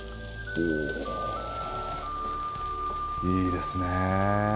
いいですね。